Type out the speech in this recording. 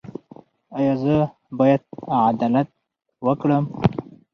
ایا زه باید عدالت وکړم؟